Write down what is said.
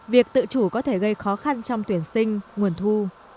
việc tự chủ có thể gây khó khăn trong tuyển sinh nguồn thu